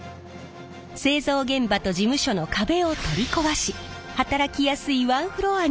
製造現場と事務所の壁を取り壊し働きやすいワンフロアに改造。